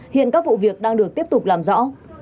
hiện các vụ việc đang được tiếp tục làm rõ